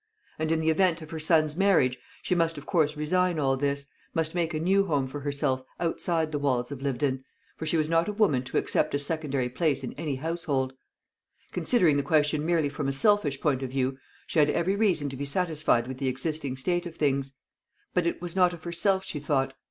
And in the event of her son's marriage, she must of course resign all this must make a new home for herself outside the walls of Lyvedon; for she was not a woman to accept a secondary place in any household. Considering the question merely from a selfish point of view, she had every reason to be satisfied with the existing state of things; but it was not of herself she thought.